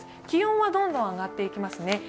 気温はどんどん上がっていきますね。